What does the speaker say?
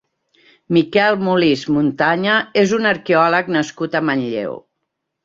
Miquel Molist Montaña és un arqueòleg nascut a Manlleu.